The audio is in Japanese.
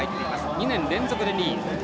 ２年連続の２位。